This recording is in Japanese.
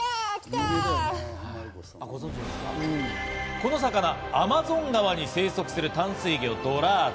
この魚、アマゾン川に生息する淡水魚・ドラーダ。